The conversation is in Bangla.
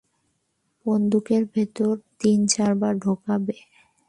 বন্দুকের ভেতর তিন, চারবার ঢোকাবে।